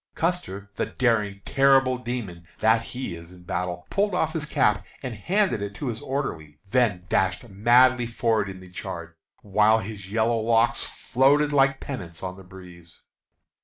Custer, the daring, terrible demon that he is in battle, pulled off his cap and handed it to his orderly, then dashed madly forward in the charge, while his yellow locks floated like pennants on the breeze.